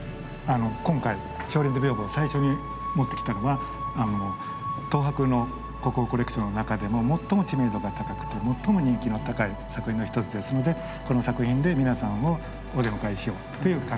今回「松林図風」を最初に持ってきたのは東博の国宝コレクションの中でも最も知名度が高くて最も人気の高い作品の一つですのでこの作品で皆さんをお出迎えしようという考えですね。